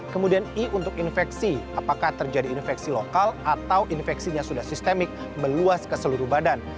kemudian i untuk infeksi apakah terjadi infeksi lokal atau infeksinya sudah sistemik meluas ke seluruh badan